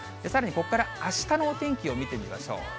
さらにここからあしたのお天気を見てみましょう。